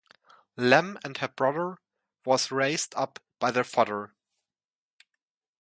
Lam and her brother were raised up by their father.